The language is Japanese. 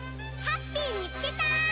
ハッピーみつけた！